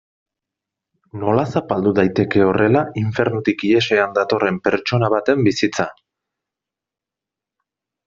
Nola zapaldu daiteke horrela infernutik ihesean datorren pertsona baten bizitza?